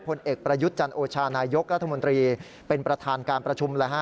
ผลเอกประยุทธ์จันโอชานายกรัฐมนตรีเป็นประธานการประชุม